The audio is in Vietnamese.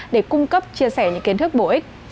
để cung cấp chia sẻ những kiến thức bổ ích